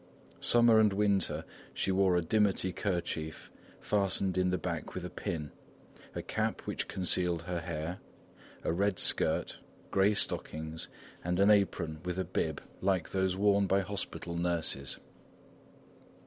Summer and winter she wore a dimity kerchief fastened in the back with a pin, a cap which concealed her hair, a red skirt, grey stockings, and an apron with a bib like those worn by hospital nurses.